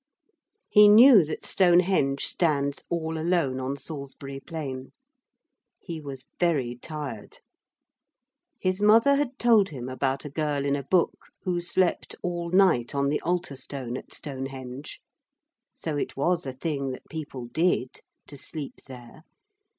He knew that Stonehenge stands all alone on Salisbury Plain. He was very tired. His mother had told him about a girl in a book who slept all night on the altar stone at Stonehenge. So it was a thing that people did to sleep there.